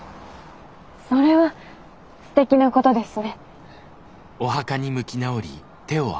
それはすてきなことですね。